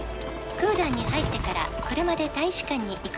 「クーダンに入ってから車で大使館に行くのは」